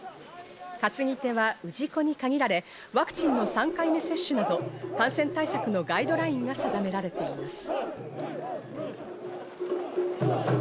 担ぎ手は氏子に限られ、ワクチンの３回目接種など感染対策のガイドラインが定められています。